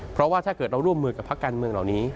เพราะว่าถ้าเกิดเราร่วมมือกับพักการเมืองเหล่านี้